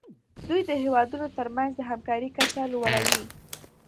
دوی د هیوادونو ترمنځ د همکارۍ کچه لوړوي